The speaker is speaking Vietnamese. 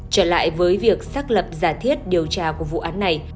trở lại với việc xác lập giả thiết điều tra của vụ án này